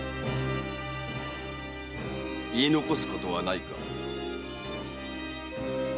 言い残すことはないか？